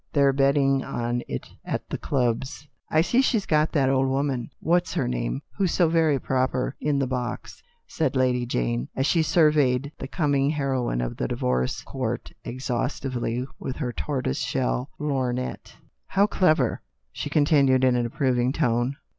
They're betting on it at the clubs." " I see she's got that old woman, what's her name, who's so very proper, in the box," said Lady Jane, as she surveyed the coming heroine of the divorce court exhaustively with her tortoise shell lorgnette. "How clever !" she continued in an approving tone.